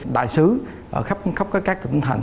đại sứ khắp các tỉnh thành